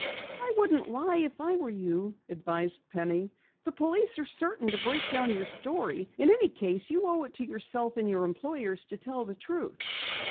"I wouldn't lie if I were you," advised Penny. "The police are certain to break down your story. In any case, you owe it to yourself and your employers to tell the truth."